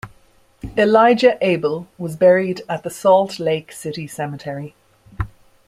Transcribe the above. Elijah Abel was buried at the Salt Lake City Cemetery.